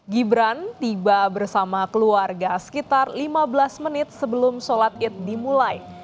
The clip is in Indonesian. gibran tiba bersama keluarga sekitar lima belas menit sebelum sholat id dimulai